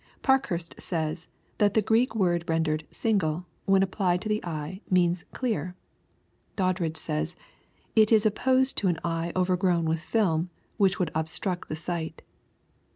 Parkhurst says, that the Greek word rendered " single," when applied to the eye, means clear. Doddridge says, " it is opposed to an eye overgrown with film, which would obstruct the sight."